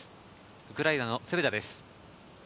ウクライナのセレダです。